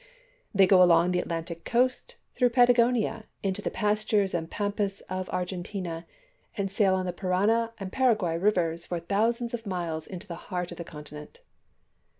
They go along the Atlantic coast, through Patagonia, into the pastures and pampas of Argentina, and sail on the Parana and Paraguay rivers for thousands of miles into the heart of the continent.